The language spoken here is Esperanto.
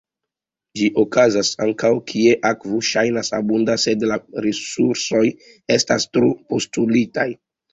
Ĝi okazas ankaŭ kie akvo ŝajnas abunda sed la resursoj estas tro-postulitaj.